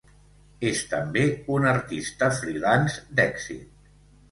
És també un artista freelance d'èxit.